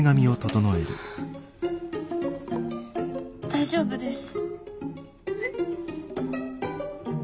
大丈夫です。